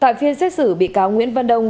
tại phiên xét xử bị cáo nguyễn văn đông